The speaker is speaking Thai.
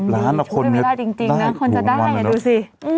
๓๐ล้านบาทครูเคมีลาศจริงนะคนจะได้เห็นดูซิ